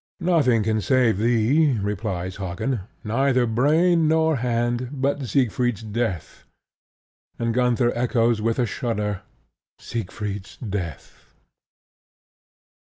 "Nothing can save thee," replies Hagen: "neither brain nor hand, but SIEGFRIED'S DEATH." And Gunther echoes with a shudder, "SIEGFRIED'S DEATH!"